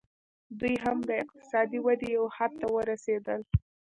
دوی هم د اقتصادي ودې یو حد ته ورسېدل